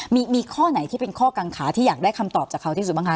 มีข้อไหนที่เป็นข้อกังขาที่อยากได้คำตอบจากเขาที่สุดบ้างคะ